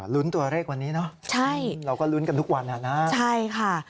ลุ้นตัวเลขวันนี้เนอะใช่เราก็ลุ้นกันทุกวันอ่ะนะใช่ค่ะ